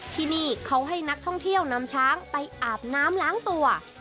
ที่นี่เขาให้นักท่องเที่ยวนำช้างไปอาบน้ำล้างตัว